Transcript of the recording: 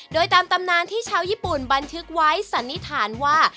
โดยตามตำนานที่ชาวญี่ปุ่นบันทึกไว้สันนิษฐานว่า